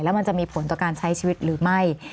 มันจะมีผลต่อการใช้ชีวิตหรือไม่